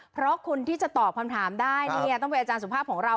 เพราะคุณที่จะตอบคำถามได้เนี่ยต้องเป็นอาจารย์สุภาพของเรา